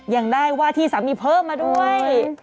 ยังได้ว่าที่สามีเพิ่มมาด้วย